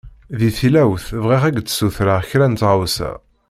Di tilawt, bɣiɣ ad k-d-ssutreɣ kra n tɣawsa.